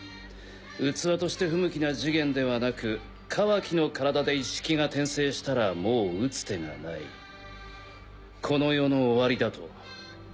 器として不向きなジゲンではなくカワキの体でイッシキが転生したらもう打つ手がないこの世の終わりだと。